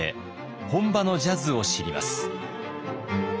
本場のジャズを知ります。